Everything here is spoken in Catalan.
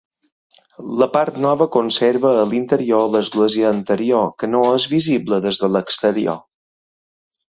La part nova conserva, a l'interior, l'església anterior, que no és visible des de l'exterior.